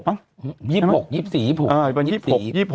อ่าอ่าอ่าอ่า๒๖๒๖อะไรอย่างนี้